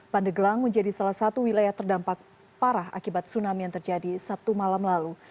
pandeglang menjadi salah satu wilayah terdampak parah akibat tsunami yang terjadi sabtu malam lalu